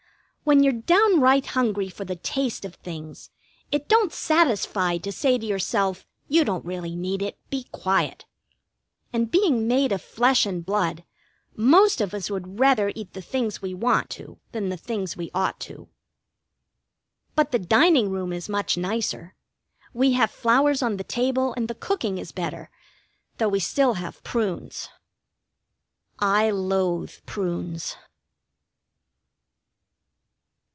When you're downright hungry for the taste of things, it don't satisfy to say to yourself "You don't really need it. Be quiet." And being made of flesh and blood, most of us would rather eat the things we want to than the things we ought to. But the dining room is much nicer. We have flowers on the table, and the cooking is better, though we still have prunes. I loathe prunes.